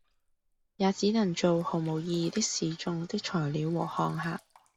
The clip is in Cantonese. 也只能做毫無意義的示衆的材料和看客，